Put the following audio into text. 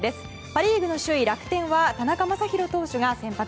パ・リーグの首位、楽天は田中将大投手が先発。